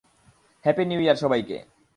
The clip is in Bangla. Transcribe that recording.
হ্যাঁপি নিউ ইয়ার, সবাইকে!